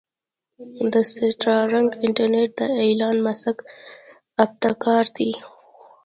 د سټارلنک انټرنټ د ايلان مسک ابتکار دې.